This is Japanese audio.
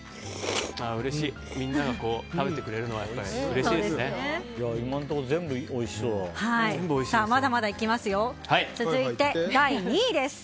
みんなが食べてくれるのはおいしいですね。